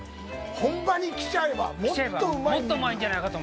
本場に来ちゃえば、もっと。